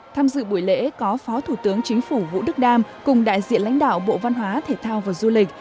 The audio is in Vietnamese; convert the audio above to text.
tham dự buổi lễ có phó thủ tướng chính phủ vũ đức đam cùng đại diện lãnh đạo bộ văn hóa thể thao và du lịch